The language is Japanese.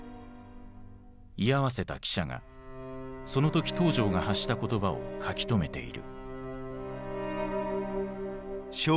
居合わせた記者がその時東条が発した言葉を書き留めている。